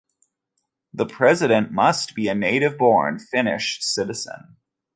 The president must be a native-born Finnish citizen.